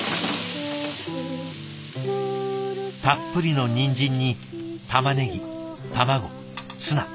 たっぷりのにんじんにたまねぎ卵ツナ。